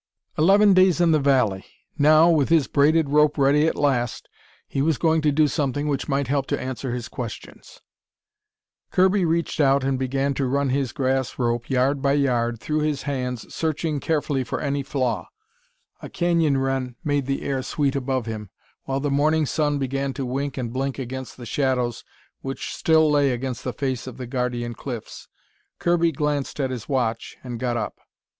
Eleven days in the valley! Now, with his braided rope ready at last, he was going to do something which might help to answer his questions. Kirby reached out and began to run his grass rope, yard by yard, through his hands, searching carefully for any flaw. A canyon wren made the air sweet above him, while the morning sun began to wink and blink against the shadows which still lay against the face of the guardian cliffs. Kirby glanced at his watch and got up.